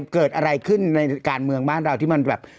เกิดอะไรขึ้นในการเมืองบ้านเราที่มันแบบ